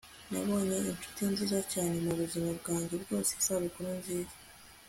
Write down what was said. nabonye inshuti nziza cyane mubuzima bwanjye bwose. isabukuru nziza